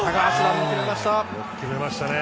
よく決めましたね。